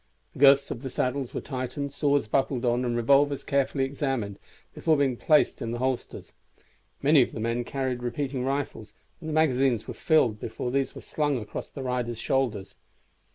The girths of the saddles were tightened, swords buckled on, and revolvers carefully examined before being placed in the holsters. Many of the men carried repeating rifles, and the magazines were filled before these were slung across the riders' shoulders.